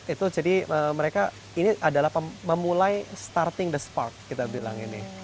itu jadi mereka ini adalah memulai starting the spark kita bilang ini